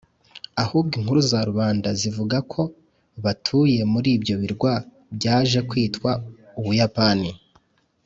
ahubwo inkuru za rubanda zivuga ko batuye muri ibyo birwa byaje kwitwa u buyapani.